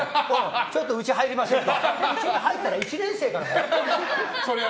ちょっとうち入りませんか？